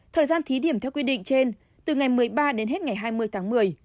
thời gian thí điểm theo quy định trên từ ngày một mươi ba đến hết ngày hai mươi tháng một mươi